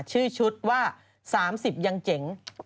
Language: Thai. ชื่อชุดว่า๓๐ยังเจ๋ง